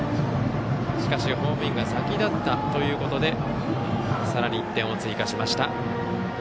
しかし、ホームインが先だったということでさらに１点を追加しました。